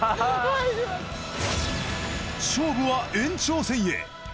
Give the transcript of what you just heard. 勝負は延長戦へ。